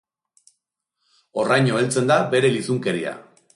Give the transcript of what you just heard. Horraino heltzen da bere lizunkeria.